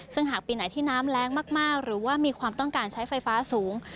ซึ่งหากปีไหนที่น้ำแรงมากหรือว่ามีความต้องการใช้ไฟฟ้าสูง